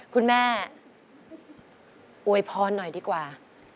คุณแม่อวยพรหน่อยดีกว่า